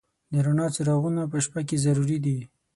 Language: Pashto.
د رڼا څراغونه په شپه کې ضروري دي.